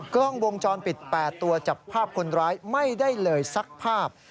กล้องวงจรปิด๘ตัวจับภาพคนร้ายไม่ได้เลยสักภาพ